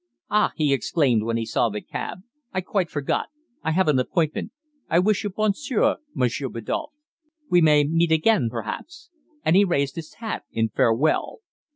"Ah!" he exclaimed, when he saw the cab, "I quite forgot! I have an appointment. I will wish you bon soir, Monsieur Biddulph. We may meet again perhaps." And he raised his hat in farewell.